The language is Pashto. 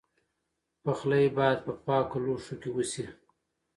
پخلی باید په پاکو لوښو کې وشي.